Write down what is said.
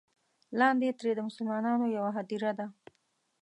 لاندې ترې د مسلمانانو یوه هدیره ده.